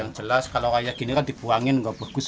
yang jelas kalau seperti ini kan dibuangkan tidak bagus